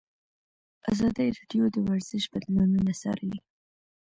ازادي راډیو د ورزش بدلونونه څارلي.